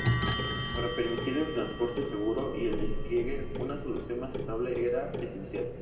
Para permitir el transporte seguro y el despliegue, una solución más estable era esencial.